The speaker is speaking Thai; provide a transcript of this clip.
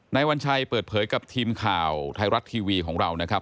วัญชัยเปิดเผยกับทีมข่าวไทยรัฐทีวีของเรานะครับ